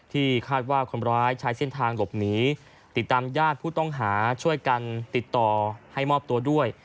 ที่คาดว่าคนร้ายใช้เส้นทางหลบหนีติดตามญาติผู้ต้องหาช่วยกันติดต่อให้มอบตัวด้วย